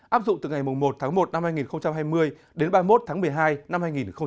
áp dụng từ ngày một tháng một năm hai nghìn hai mươi đến ba mươi một tháng một mươi hai năm hai nghìn hai mươi